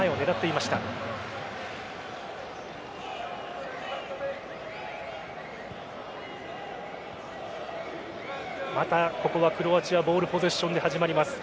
またここはクロアチアボールポゼッションで始まります。